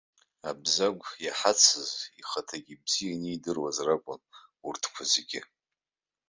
Абзагә иаҳацыз, ихаҭагьы ибзианы иидыруаз ракәын урҭқәа зегьы.